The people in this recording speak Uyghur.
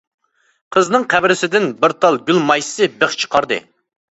قىزنىڭ قەبرىسىدىن بىر تال گۈل مايسىسى بىخ چىقاردى.